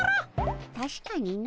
たしかにの。